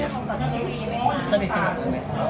เที่ยวที่นี่ก็คือ